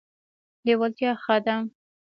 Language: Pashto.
لیوالتیا ښه ده.